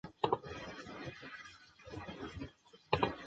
坦帕湾海盗是一支位于佛罗里达州的坦帕湾职业美式足球球队。